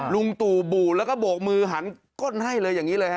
ลุงตู่บู่แล้วก็โบกมือหันก้นให้เลยอย่างนี้เลยฮะ